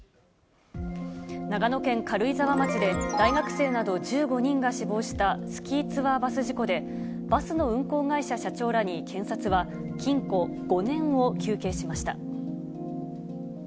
長野県軽井沢町で、大学生など１５人が死亡したスキーツアーバス事故で、バスの運行会社社長らに、検察は、禁錮５年を求刑しました。